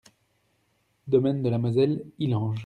Domaine de la Moselle, Illange